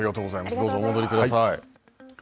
どうぞお戻りください。